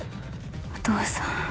お父さん。